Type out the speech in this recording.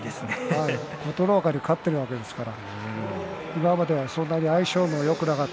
琴ノ若に勝っているわけですから。